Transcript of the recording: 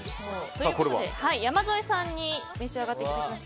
ということで山添さんに召し上がっていただきます。